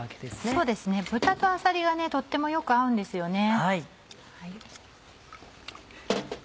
そうですね豚とあさりがとっても良く合うんですよね。